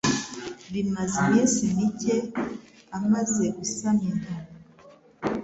Bimaze iminsi mike amaze gusama inda